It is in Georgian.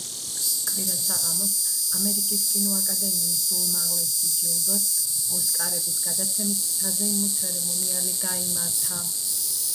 კვირა საღამოს ამერიკის კინოაკადემიის უმაღლესი ჯილდოს -ოსკარების- გადაცემის საზეიმო ცერემონიალი გაიმართა.